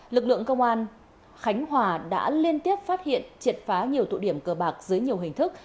lực lượng công an khánh hòa đã liên tiếp phát hiện triệt phá nhiều tụ điểm cờ bạc dưới nhiều hình thức